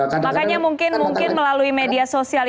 makanya mungkin mungkin melalui media sosial